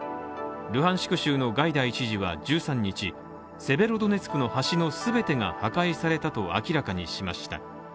ルハンシク州のガイダイ知事は１３日、セベロドネツクの橋の全てが破壊されたと明らかにしました。